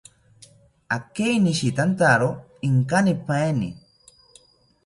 Akeinishitantawo inkanipaeni